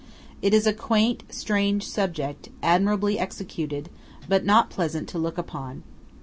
It is a quaint, strange subject, admirably executed, but not pleasant to look upon.